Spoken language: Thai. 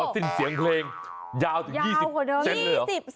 ก่อนที่รู้เสียงเพลงยาวถึง๒๐เซนติเซนติเหรอ